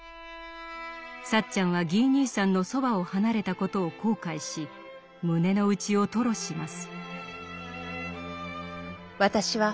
サッチャンはギー兄さんのそばを離れたことを後悔し胸の内を吐露します。